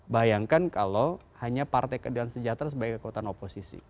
bayangkan kalau hanya partai keadilan sejahtera sebagai kekuatan oposisi